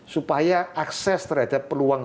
supaya akses terhadap peluang